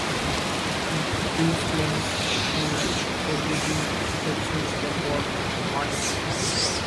These plans could only be purchased at Walmart.